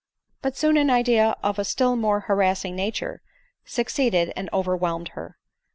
But soon an idea of a still more harassing nature suc ceeded and overwhelmned her.